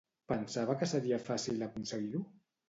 Pensava que seria fàcil aconseguir-ho?